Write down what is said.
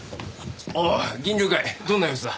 おお銀龍会どんな様子だ？